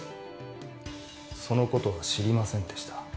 その事は知りませんでした。